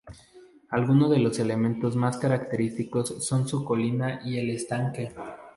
Alguno de los elementos más característicos son su colina y el estanque.